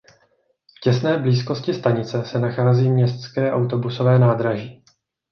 V těsné blízkosti stanice se nachází městské autobusové nádraží.